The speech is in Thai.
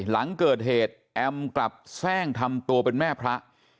หลังเกิดเหตุแอมกลับแทร่งทำตัวเป็นแม่พระ